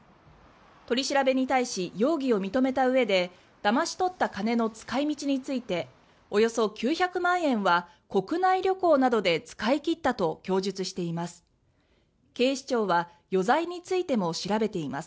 取り調べに対し容疑を認めたうえでだまし取った金の使い道についておよそ９００万円は国内旅行などで使い切ったと供述しています。